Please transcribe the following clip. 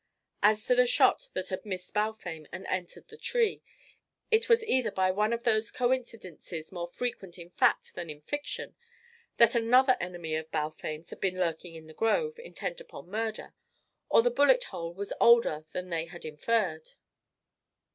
As to the shot that had missed Balfame and entered the tree: it was either by one of those coincidences more frequent in fact than in fiction that another enemy of Balfame's had been lurking in the grove, intent upon murder; or the bullet hole was older than they had inferred.